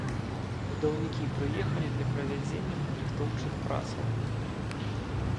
Будаўнікі прыехалі для правядзення падрыхтоўчых працаў.